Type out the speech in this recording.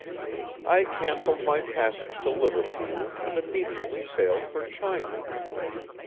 "I canceled my passage to Liverpool and immediately sailed for China.